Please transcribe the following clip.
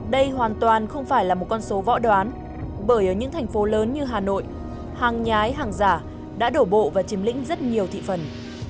đây hoàn toàn không phải là một con số võ đoán bởi ở những thành phố lớn như hà nội hàng nhái hàng giả đã đổ bộ và chiếm lĩnh rất nhiều thị phần